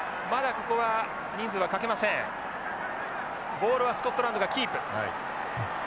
ボールはスコットランドがキープ。